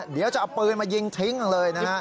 เดี๋ยวจะเอาปืนมายิงทิ้งเลยนะฮะ